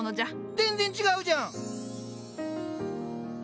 全然違うじゃん！